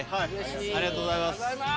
ありがとうございます。